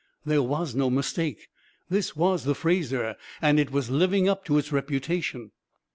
There was no mistake. This was the Fraser, and it was living up to its reputation.